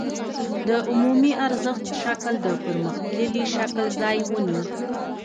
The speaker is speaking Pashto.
د عمومي ارزښت شکل د پرمختللي شکل ځای ونیو